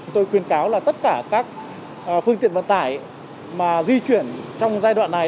tôi khuyên cáo là tất cả các phương tiện vận tải mà di chuyển trong giai đoạn này